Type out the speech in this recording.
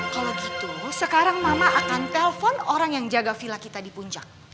kalau gitu sekarang mama akan telpon orang yang jaga villa kita di puncak